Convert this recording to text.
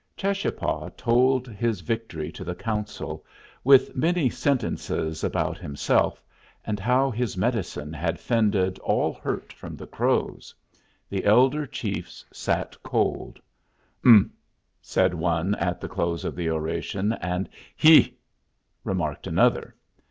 Cheschapah told his victory to the council, with many sentences about himself, and how his medicine had fended all hurt from the Crows. The elder chiefs sat cold. "Ump!" said one, at the close of the oration, and "Heh!" remarked another.